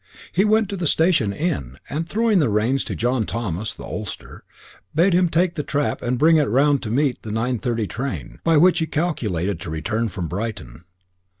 He went to the Station Inn, and throwing the reins to John Thomas, the ostler, bade him take the trap and bring it round to meet the 9.30 train, by which he calculated to return from Brighton.